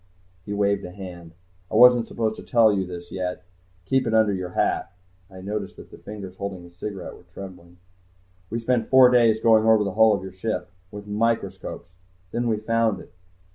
_" He waved a hand. "I wasn't supposed to tell you this yet. Keep it under your hat." I noticed that the fingers holding his cigarette were trembling. "We spent four days going over the hull of your ship with microscopes. Then we found it.